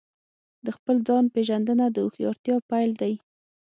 د خپل ځان پېژندنه د هوښیارتیا پیل دی.